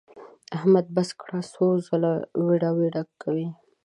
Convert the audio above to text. احمده! بس کړه؛ څه خوله ويړه ويړه کوې.